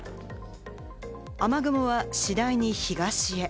雨雲は次第に東へ。